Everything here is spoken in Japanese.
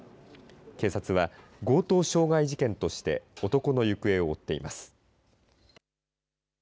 警察は強盗傷害事件として男の行方を追っています。